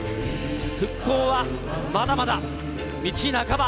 復興はまだまだ道半ば。